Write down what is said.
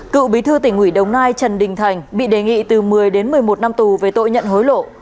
cựu bí thư tỉnh ủy đồng nai trần đình thành bị đề nghị từ một mươi đến một mươi một năm tù về tội nhận hối lộ